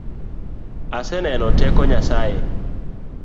Aseneno teko Nyasaye.